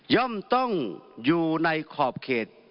ย่อมต้องอยู่ในขอบเหตุ